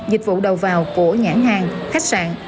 dịch vụ đầu vào của nhãn hàng khách sạn